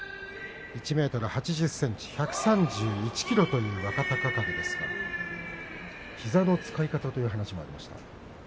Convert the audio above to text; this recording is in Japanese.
１ｍ８０ｃｍ１３１ｋｇという若隆景ですが膝の使い方という話もありました。